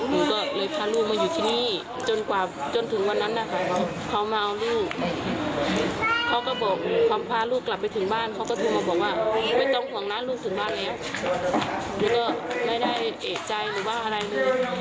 หนูก็เลยพาลูกมาอยู่ที่นี่จนกว่าจนถึงวันนั้นนะคะเขามาเอาลูกเขาก็บอกเขาพาลูกกลับไปถึงบ้านเขาก็โทรมาบอกว่าไม่ต้องห่วงนะลูกถึงบ้านแล้วแล้วก็ไม่ได้เอกใจหรือว่าอะไรเลย